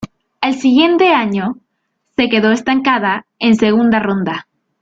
Al siguiente año se quedó estancada en segunda ronda.